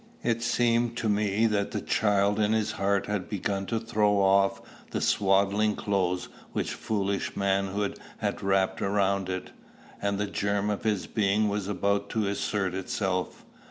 It seemed to me that the child in his heart had begun to throw off the swaddling clothes which foolish manhood had wrapped around it, and the germ of his being was about to assert itself.